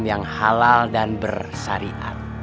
yang halal dan bersarial